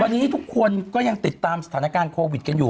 ตอนนี้ทุกคนก็ยังติดตามสถานการณ์โควิดกันอยู่